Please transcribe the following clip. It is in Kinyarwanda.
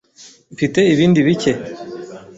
Mfite ibindi bike.